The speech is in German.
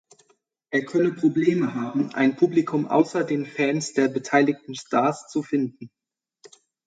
Er könne Probleme haben, ein Publikum außer den Fans der beteiligten Stars zu finden.